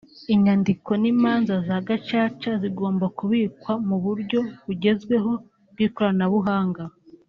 Inyandiko n’imanza za Gacaca zigomba kubikwa mu buryo bugezweho bw’ikoranabuhanga